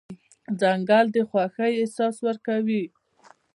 ځنګل د خوښۍ احساس ورکوي.